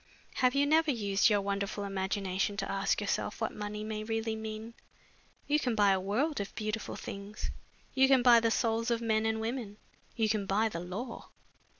Have you never used your wonderful imagination to ask yourself what money may really mean? You can buy a world of beautiful things, you can buy the souls of men and women, you can buy the law."